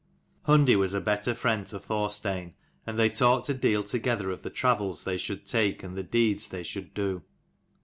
Hundi was a better friend to Thorstein, and they talked a deal together of the travels they should take and the deeds they should do.